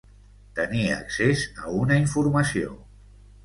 Tenir accés a una informació.